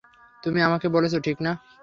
তুমি আমাকে বলেছ, ঠিক না?